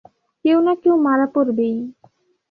কেউ না কেউ মারা পরবেই!